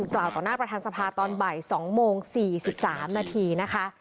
กล่าวต่อหน้าประธานสภาตอนบ่าย๒โมง๔๓นาทีนะคะ